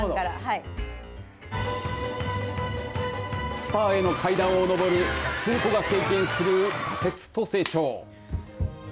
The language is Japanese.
スターへの階段を上る鈴子が経験する挫折と成長。